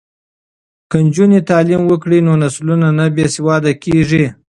که نجونې تعلیم وکړي نو نسلونه نه بې سواده کیږي.